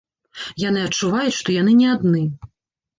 Яны адчуваюць, што яны не адны.